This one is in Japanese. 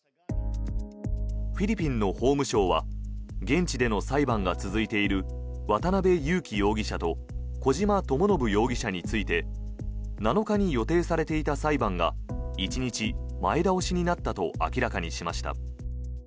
フィリピンの法務省は現地での裁判が続いている渡邉優樹容疑者と小島智信容疑者について７日に予定されていた裁判が１日前倒しになったと明らかにしました。